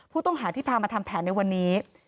ผู้ต้องหาที่พามาทำแผนในวันนี้